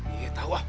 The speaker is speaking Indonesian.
iya tau ah